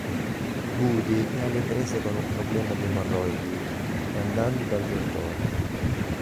Woody è alle prese con un problema di emorroidi e, andando dal dott.